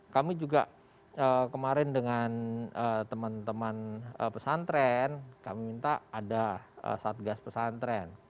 kami juga kemarin dengan teman teman pesantren kami minta ada satgas pesantren